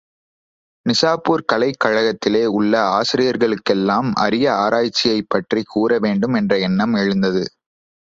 நிசாப்பூர் கலைக் கழகத்திலே உள்ள ஆசிரியர்களுக்கெல்லாம் அரிய ஆராய்ச்சியைப்பற்றிக் கூறவேண்டும் என்ற எண்ணம் எழுந்தது.